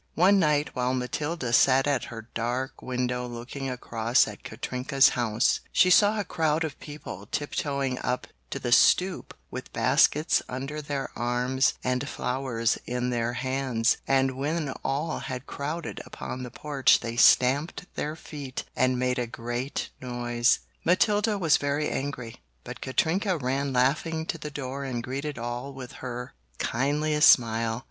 One night while Matilda sat at her dark window looking across at Katrinka's house, she saw a crowd of people tip toeing up to the stoop with baskets under their arms and flowers in their hands and when all had crowded upon the porch they stamped their feet and made a great noise. Matilda was very angry, but Katrinka ran laughing to the door and greeted all with her kindliest smile.